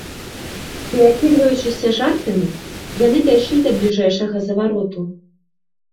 Перакідваючыся жартамі, яны дайшлі да бліжэйшага завароту.